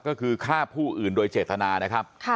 ก็คือฆ่าผู้อื่นโดยเจตนานะครับ